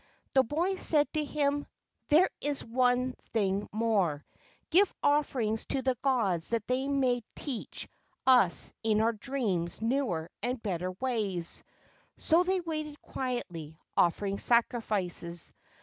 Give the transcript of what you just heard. The boy said to him, " There is one thing more,—give offerings to the gods that they may teach us in our dreams newer and better ways." So they waited quietly, offering sacrifices.